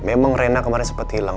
memang rena kemarin sempat hilang